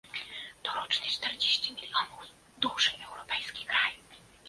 To rocznie czterdzieści milionów, duży europejski kraj